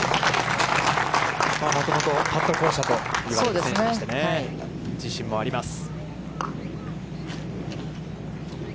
もともとパット巧者と言われてまして、自信もあります。